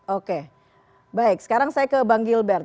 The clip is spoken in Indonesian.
oke baik sekarang saya ke bang gilbert